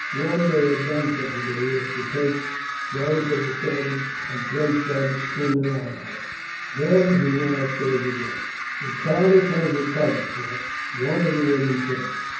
When they had done so, they were to take those of the servants and place them in an outhouse. Then he went upstairs again. "The countess has recovered, sir," one of the women said.